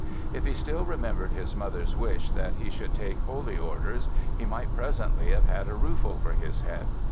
If he still remembered his mother's wish that he should take holy orders he might presently have had a roof over his head.